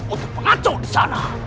untuk mengacau disana